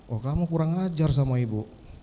oh kamu kurang ajar sama ibu